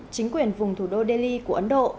chính quyền vùng thủ đô delhi